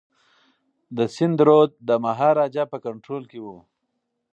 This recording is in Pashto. د سند رود د مهاراجا په کنټرول کي و.